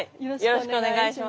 よろしくお願いします。